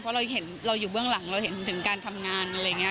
เพราะเราเห็นเราอยู่เบื้องหลังเราเห็นถึงการทำงานอะไรอย่างนี้